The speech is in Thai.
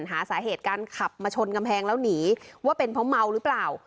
หาสาเหตุการขับมาชนกำแพงแล้วหนีว่าเป็นเพราะเมาหรือเปล่า